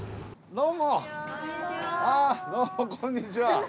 どうもこんにちは。